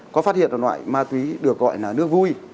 có phát hiện một loại ma túy được gọi là nước vui